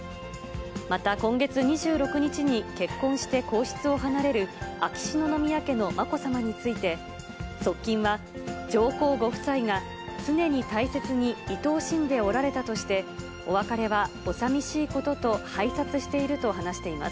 また今月２６日に結婚して皇室を離れる、秋篠宮家のまこさまについて、側近は、上皇ご夫妻が常に大切にいとおしんでおられたとして、お別れはお寂しいことと拝察していると話しています。